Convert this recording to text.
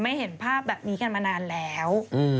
เห็นภาพแบบนี้กันมานานแล้ว